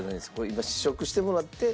今試食してもらって。